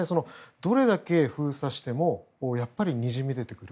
どれだけ封鎖してもやっぱりにじみ出てくる。